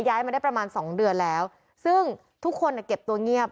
ย้ายมาได้ประมาณสองเดือนแล้วซึ่งทุกคนเนี่ยเก็บตัวเงียบ